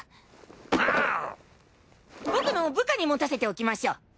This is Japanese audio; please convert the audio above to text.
僕の部下に持たせておきましょう。